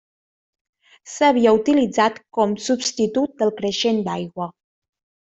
S'havia utilitzat com substitut del creixen d'aigua.